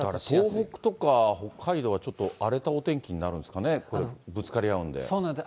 東北とか北海道は、ちょっと荒れたお天気になるんですかね、ぶつかり合うんで。